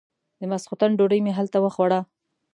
د ماسختن ډوډۍ مې هلته وخوړه.